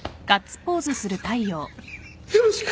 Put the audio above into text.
よろしく。